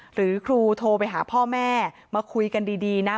หรือครูโทรไปหาพ่อแม่มาคุยกันดีนะ